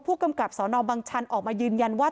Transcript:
ผู้กำกับสนบังชันออกมายืนยันว่า